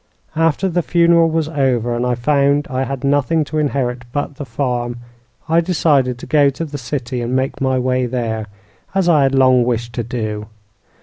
After the funeral was over, and I found I had nothing to inherit but the farm, I decided to go to the city and make my way there, as I had long wished to do.